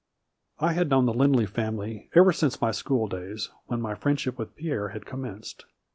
I had known the Lindley family ever since my school days, when my friendship with Pierre had commenced.